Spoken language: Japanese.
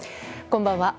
こんばんは。